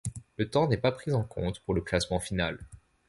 Le temps n'est pas pris en compte pour le classement final.